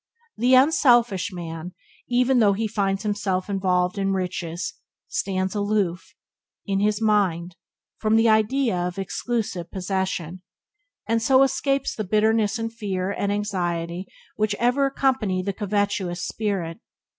The unselfish man, even though he finds himself involved in riches, stands aloof, in his mind, from the idea of "exclusive possession", and so escapes the bitterness and fear and anxiety which ever accompany the covetous spirit.